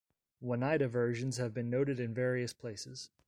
Oneida versions have been noted in various places.